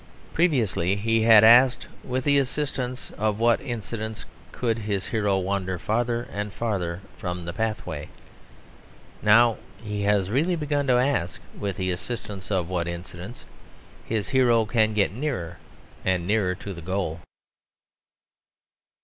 Previously he had asked with the assistance of what incidents could his hero wander farther and farther from the pathway. Now he has really begun to ask with the assistance of what incidents his hero can get nearer and nearer to the goal.